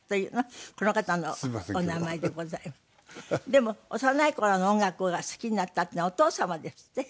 でも幼い頃の音楽が好きになったっていうのはお父様ですって？